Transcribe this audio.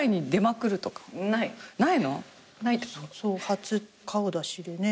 初顔出しでね。